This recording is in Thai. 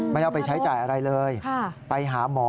ไม่ได้เอาไปใช้จ่ายอะไรเลยไปหาหมอ